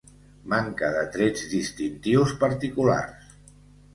Manca de trets distintius particulars.